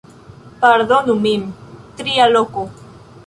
Pardonu min... tria loko